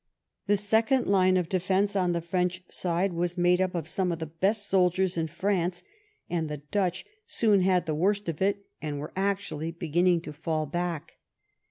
The second line of defence on the French side was made up of some of the best soldiers in France, and the Dutch soon had the worst of it, and were actually beginning to fall back.